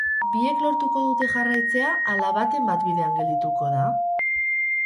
Biek lortuko dute jarraitzea ala baten bat bidean geldituko da?